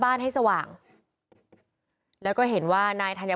พุ่งเข้ามาแล้วกับแม่แค่สองคน